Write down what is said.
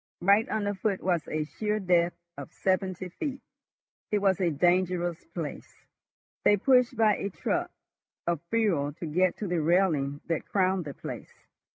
Right under foot was a sheer depth of seventy feet. It was a dangerous place. They pushed by a truck of fuel to get to the railing that crowned the place.